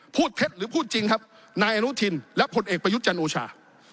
เท็จหรือพูดจริงครับนายอนุทินและผลเอกประยุทธ์จันทร์โอชา